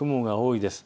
雲が多いです。